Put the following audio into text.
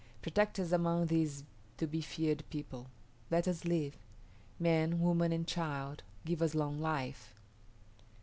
Protect us among these to be feared people. Let us live. Man, woman, and child, give us long life."